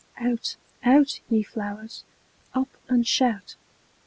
Out, out, ye flowers! Up and shout!